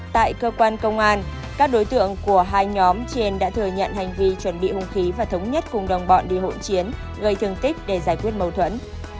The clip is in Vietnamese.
tại cơ quan công an các đối tượng của hai nhóm trên đã thừa nhận hành vi chuẩn bị hung khí và thống nhất cùng đồng bọn đi hộ chiến gây thương tích để giải quyết mâu thuẫn